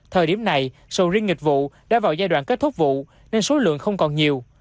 thời điểm này sầu riêng nghịch vụ đã vào giai đoạn kết thúc vụ nên số lượng không còn nhiều